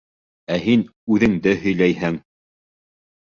Ә һин үҙеңде һөйләйһең!